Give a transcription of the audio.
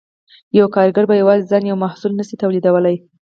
یو کارګر په یوازې ځان یو محصول نشي تولیدولی